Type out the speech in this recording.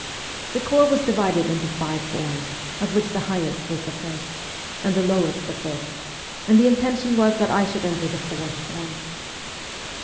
The corps was divided into five forms, of which the highest was the first, and the lowest the fifth, and the intention was that I should enter the fourth form.